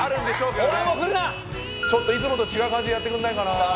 ちょっといつもと違う感じでやってくんないかな。